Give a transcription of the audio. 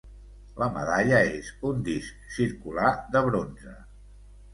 La medalla és un disc circular de bronze.